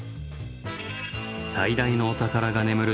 最大のお宝が眠る